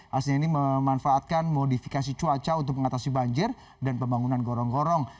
hasilnya ini memanfaatkan modifikasi cuaca untuk mengatasi banjir dan pembangunan gorong gorong